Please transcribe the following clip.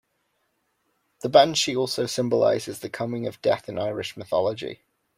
The Banshee also symbolizes the coming of death in Irish Mythology.